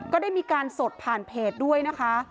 ก็ได้มีการสดผ่านเพจด้วยนะคะ